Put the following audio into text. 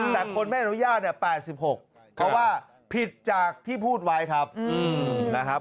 แต่คนไม่อนุญาตเนี่ย๘๖เพราะว่าผิดจากที่พูดไว้ครับนะครับ